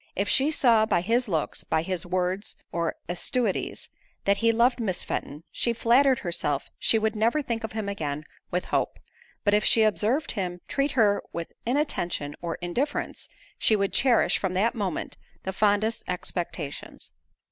If she saw by his looks, by his words, or assiduities, that he loved Miss Fenton, she flattered herself she would never think of him again with hope; but if she observed him treat her with inattention or indifference, she would cherish, from that moment, the fondest expectations.